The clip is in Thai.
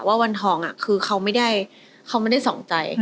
วันทองคือเขาไม่ได้ส่องใจ